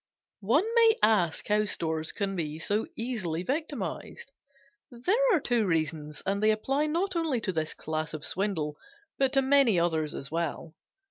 One may ask how stores can be so easily victimized. There are two reasons, and they apply not only to this class of swindle, but to many others as well.